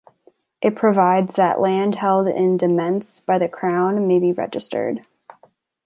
It provides that land held in demesne by the Crown may be registered.